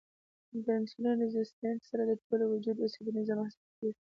د انسولين ريزسټنس سره د ټول وجود د عصبي نظام حساسیت کميږي